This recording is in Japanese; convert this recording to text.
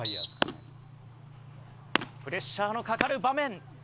プレッシャーのかかる場面。